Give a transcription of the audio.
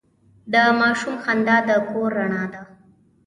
د ماشوم خندا د کور رڼا ده.